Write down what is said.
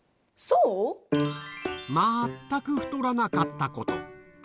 全く太らなかったこと。